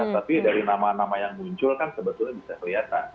tapi dari nama nama yang muncul kan sebetulnya bisa kelihatan